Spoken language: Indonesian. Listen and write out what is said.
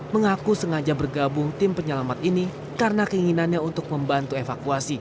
mengaku sengaja bergabung tim penyelamatnya